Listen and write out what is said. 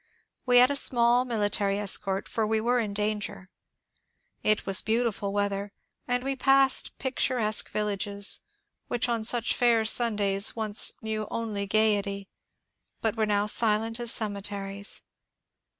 We had a small military escort, for we were in danger. It was beautiful weather, and we passed picturesque villages which on such fair Sundays once knew only gaiety, but were now silent as cemeteries.